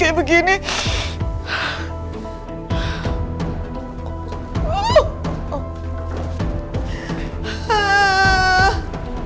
kamu mau ngapain